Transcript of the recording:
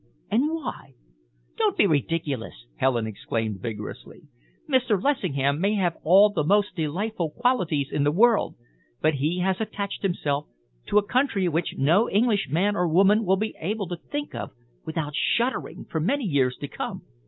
"And why?" "Don't be ridiculous!" Helen exclaimed vigorously. "Mr. Lessingham may have all the most delightful qualities in the world, but he has attached himself to a country which no English man or woman will be able to think of without shuddering, for many years to come.